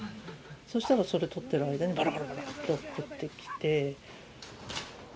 そしたらそれ撮ってる間に、ばらばらばらって降ってきて。